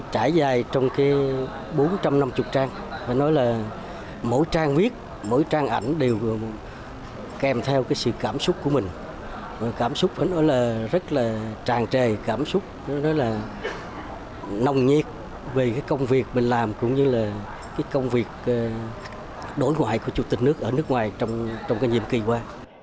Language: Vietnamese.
trang trề cảm xúc nó là nồng nhiệt về công việc mình làm cũng như là công việc đối ngoại của chủ tịch nước ở nước ngoài trong cái nhiệm kỳ qua